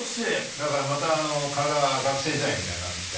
だからまた体が学生時代みたいになってきて。